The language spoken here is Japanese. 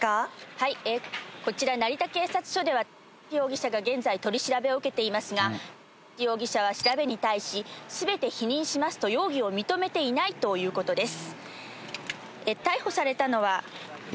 はいこちら成田警察署では容疑者が現在取り調べを受けていますが容疑者は調べに対し全て否認しますと容疑を認めていないということです。